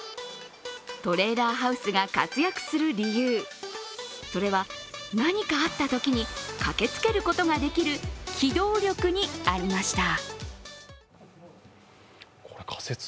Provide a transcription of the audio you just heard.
トレーラーハウスが活躍する理由、それは何かあったときに駆けつけることができる機動力にありました。